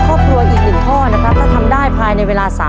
ครอบครัวของแม่ปุ้ยจากจังหวัดสะแก้วนะครับ